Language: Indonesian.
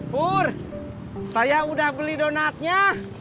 bur saya udah beli donatnya